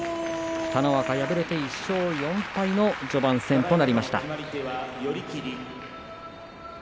北の若、敗れて１勝４敗の序盤戦となりました。